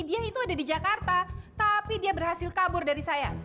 dia itu ada di jakarta tapi dia berhasil kabur dari saya